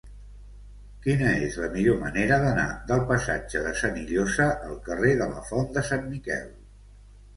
Quina és la millor manera d'anar del passatge de Senillosa al carrer de la Font de Sant Miquel?